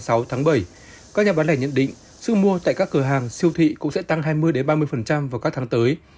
các nhà bán lẻ nhận định sức mua tại các cửa hàng siêu thị cũng sẽ tăng hai mươi ba mươi vào các tháng tới